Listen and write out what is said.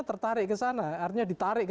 tertarik ke sana artinya ditarik